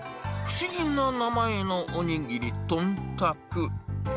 不思議な名前のおにぎり、豚たく。